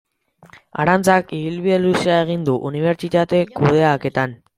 Arantzak ibilbide luzea egin du unibertsitate-kudeaketan.